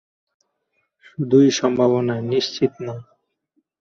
শুধুই সম্ভাবনা, নিশ্চিত না।